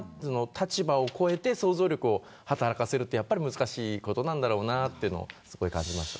立場を超えて想像力を働かせるってやっぱり難しいことなんだろうなというのをすごい感じました。